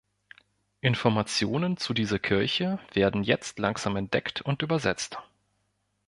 Informationen zu dieser Kirche werden jetzt langsam entdeckt und übersetzt.